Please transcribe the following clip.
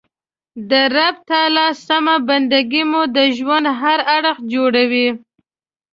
د رب تعالی سمه بنده ګي مو د ژوند هر اړخ جوړوي.